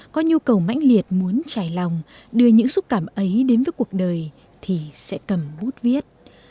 có nhu cầu mãnh liệt muốn trải lòng đưa những xúc cảm ấy đến với cuộc đời thì sẽ cầm bút viết